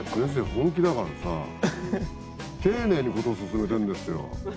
本気だからさぁ丁寧に事を進めてんですよ。